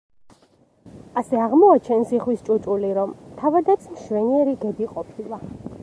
ასე აღმოაჩენს იხვის ჭუჭული, რომ თავადაც მშვენიერი გედი ყოფილა.